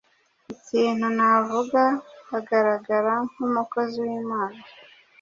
ikintu navuga agaragara nk’umukozi w’imana